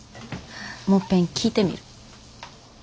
もっぺん聞いてみる。